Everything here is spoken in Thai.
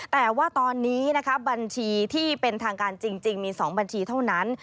แต่ว่าตอนนี้นะคะบัญชีที่เป็นทางการจริงมี๒บัญชีเท่านั้น